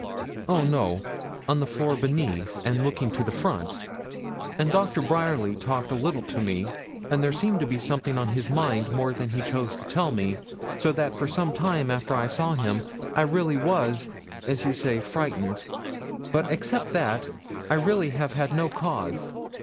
'Oh, no; on the floor beneath, and looking to the front. And Doctor Bryerly talked a little to me, and there seemed to be something on his mind more than he chose to tell me; so that for some time after I saw him I really was, as you say, frightened; but, except that, I really have had no cause.